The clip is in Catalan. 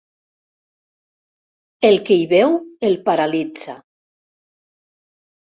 El que hi veu el paralitza.